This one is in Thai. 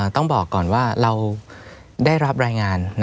ต้องบอกก่อนว่าเราได้รับรายงาน